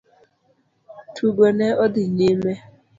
Tugo ne odhi nyime.